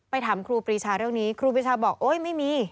ถามครูปรีชาเรื่องนี้ครูปรีชาบอกโอ๊ยไม่มี